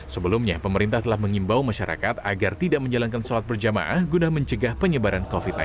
sebelumnya pemerintah telah mengimbau masyarakat agar tidak menjalankan sholat berjamaah guna mencegah penyebaran covid sembilan belas